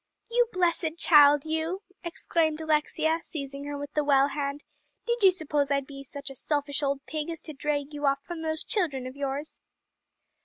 "You blessed child, you!" exclaimed Alexia, seizing her with the well hand, "did you suppose I'd be such a selfish old pig as to drag you off from those children of yours?"